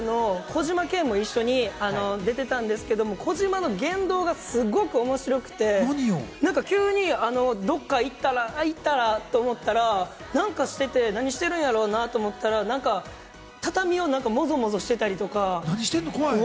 ｇｒｏｕｐの小島健も一緒に出てたんですけど、小島の言動がすごく面白くて、急にどっか行ったら、何かしてて、何してるんやろうなぁと思ったら、畳をもぞもぞしてたりとか。